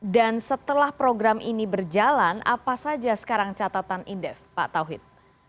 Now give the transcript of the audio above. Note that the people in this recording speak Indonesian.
setelah program ini berjalan apa saja sekarang catatan indef pak tauhid